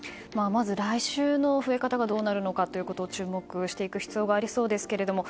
まず来週の増え方がどうなるかを注目していく必要がありそうですけれども。